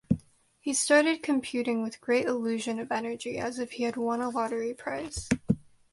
He started computing with great illusion and energy, as if he had won a lottery price.